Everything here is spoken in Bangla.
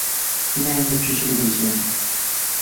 তিনি আইন ব্যবসা শুরু করেছিলেন।